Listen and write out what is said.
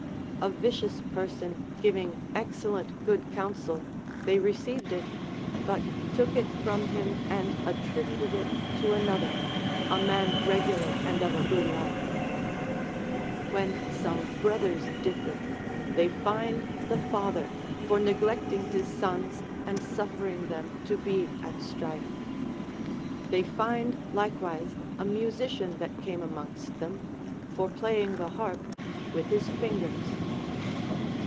A vicious person giving excellent good counsel, they received it, but took it from him and attributed it to another, a man regular and of a good life. AVlien some brothers differed, they fined the father for neglecting his sons and suffering them to be at strife. They fined likewise a musician that came amongst them, for playing the harp with his fingers.